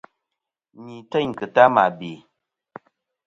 Ni têyn ki ta mà bè.